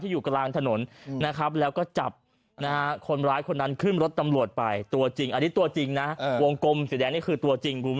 หรือกลางถนนนะครับแล้วก็จับนะคนร้ายคนนั้นขึ้นรถตำรวจไปตัวจริงอันนี้ตัว